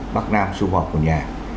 bắc nam xu hòa của nhà